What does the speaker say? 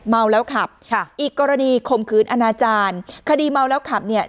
เมาแล้วขับค่ะอีกกรณีข่มขืนอนาจารย์คดีเมาแล้วขับเนี่ย